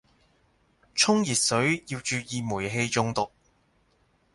沖熱水要注意煤氣中毒